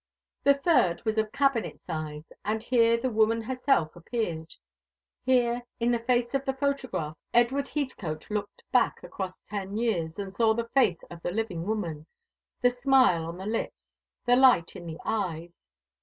The third was of cabinet size, and here the woman herself appeared. Here, in the face of the photograph, Edward Heathcote looked back across ten years, and saw the face of the living woman, the smile on the lips, the light in the eyes.